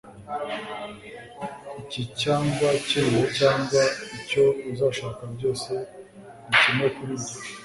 Iki cyangwa kiriya cyangwa icyo uzashaka byose ni kimwe kuri njye